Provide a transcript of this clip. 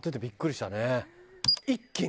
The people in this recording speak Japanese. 一気に。